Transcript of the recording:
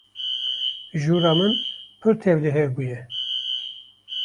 Jûra min pir tevlihev bûye.